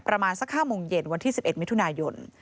ประมาณสัก๕โมงเย็นวันที่๑๑มิถุนายน